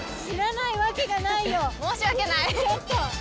申し訳ない。